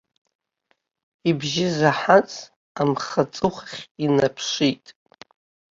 Ибжьы заҳаз, амхы аҵыхәахь инаԥшит.